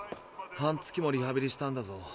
半月もリハビリしたんだぞ。